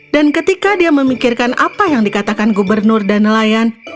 dan ketika dia memikirkan apa yang dikatakan gubernur dan nelayan